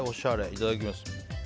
いただきます。